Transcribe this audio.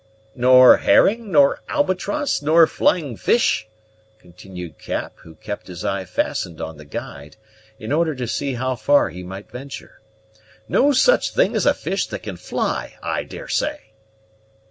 "Nor herring, nor albatross, nor flying fish?" continued Cap, who kept his eye fastened on the guide, in order to see how far he might venture. "No such thing as a fish that can fly, I daresay?"